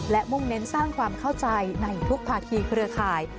และมุ่งเน้นสร้างความเข้าใจในทุกภาคีเครือข่าย